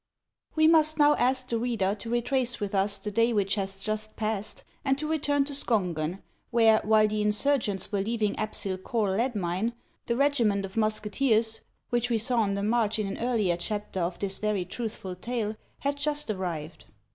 ^T 7E must now ask the reader to retrace with us the day which has just passed, and to return to Skon gen, where, while the insurgents were leaving Apsyl Corh lead mine, the regiment of musketeers, which we saw on the march in an earlier chapter of this very truthful tale, had just arrived.